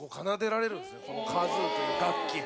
このカズーという楽器。